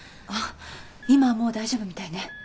あ今はもう大丈夫みたいね。